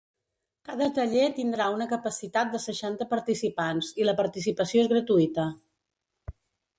Cada taller tindrà una capacitat de seixanta participants i la participació és gratuïta.